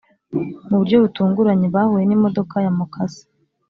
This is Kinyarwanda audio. muburyo butunguranye bahuye ni modoka ya mukase